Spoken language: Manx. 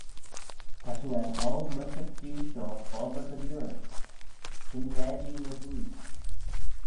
"Ta shiu er gholl mysh y clieau shoh foddey dy liooar; chyndaa-jee my-hwoaie."